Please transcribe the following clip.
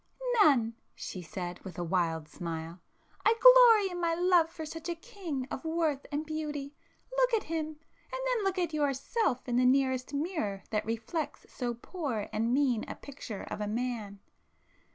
"None!" she said, with a wild smile—"I glory in my love for such a king of worth and beauty! Look at him!—and then look at yourself in the nearest mirror that reflects so poor and mean a picture of a man!